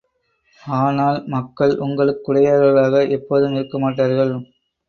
ஆனால், மக்கள் உங்களுடையவர்களாக எப்போதும் இருக்கமாட்டார்கள்!